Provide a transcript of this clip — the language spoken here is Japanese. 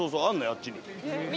あっちに。